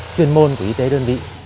chuyên môn của y tế đơn vị